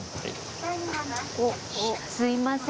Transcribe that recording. すいません。